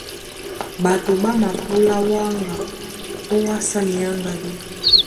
Ɓato ɓá mapulá wáŋga ówásá minyáŋgádú.